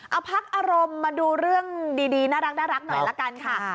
เอาพักอารมณ์มาดูเรื่องดีน่ารักหน่อยละกันค่ะ